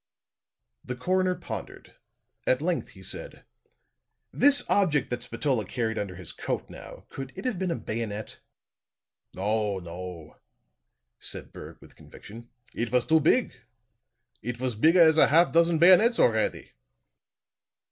The coroner pondered. At length he said: "This object that Spatola carried under his coat, now. Could it have been a bayonet?" "No, no," said Berg with conviction. "It vos too big. It vos bigger as a half dozen bayonets already."